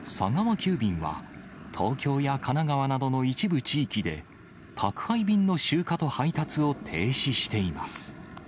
急便は、東京や神奈川などの一部地域で、宅配便の集荷と配達を停止しています。